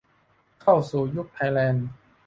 เข้าสู่ยุคไทยแลนด์